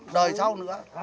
đời sau nữa